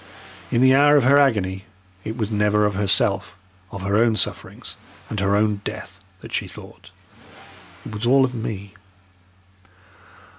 In the hour of her agony it was never of herself, of her own sufferings and her own death that she thought. It was all of me.